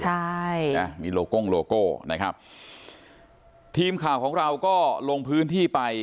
ใช่นะมีโลโก้งโลโก้นะครับทีมข่าวของเราก็ลงพื้นที่ไป